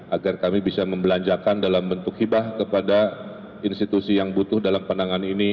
agar kami bisa membelanjakan dalam bentuk hibah kepada institusi yang butuh dalam pandangan ini